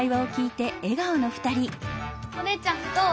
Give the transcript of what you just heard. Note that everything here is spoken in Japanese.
お姉ちゃんどう？